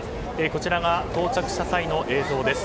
こちらが到着した際の映像です。